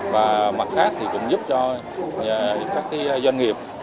và mặt khác cũng giúp cho các doanh nghiệp